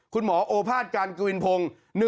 คุณหมอโอภาชการกวินพงศ์